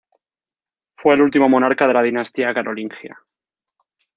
Fue el último monarca de la dinastía carolingia.